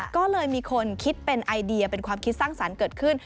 ก็เลยมีคนคิดเป็นไอเดียเป็นความคิดสร้างสรรค์เกิดขึ้น